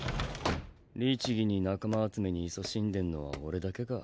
律儀に仲間集めに勤しんでンのは俺だけか。